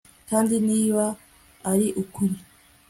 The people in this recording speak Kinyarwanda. kandi niba ari ukuri